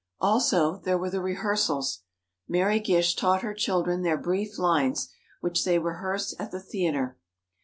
Also, there were the rehearsals. Mary Gish taught her children their brief lines, which they rehearsed at the theatre.